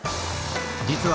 実は